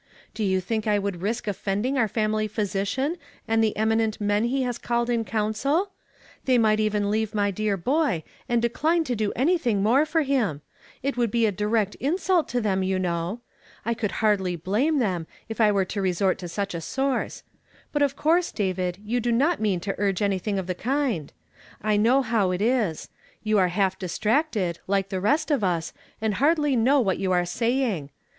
Do you think I would risk offending our family physician and the eminent men he has called in council? They might even leave my dear boy, and decline to do anything more for him ; it would be a direct insult to them, ■ roa I in uhieh the VA 1 always ti'avelled F 152 YESTERDAY FRAMED IN TO DAY. you know. I could hardly blame them, were I to resort to such a source. But of course, David, you do not mean to urge anything of the kind. I know liow it is : you are half distracted, like the rest of us, and hardly know what you are saying.